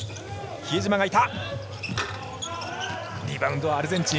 比江島がいた。